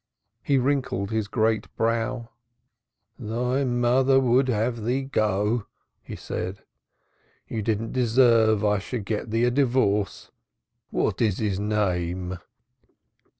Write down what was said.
He wrinkled his great brow. "Thy mother would have thee go," he said. "Thou didst not deserve I should get thee the divorce. What is his name?"